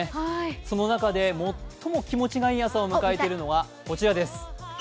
その中で最も気持ちのいい朝を迎えているのはこちらです。